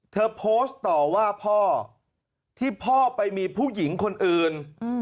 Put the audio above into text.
เธอโพสต์ต่อว่าพ่อที่พ่อไปมีผู้หญิงคนอื่น